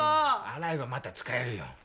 洗えばまた使えるよ。